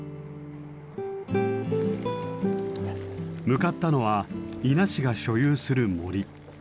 向かったのは伊那市が所有する森。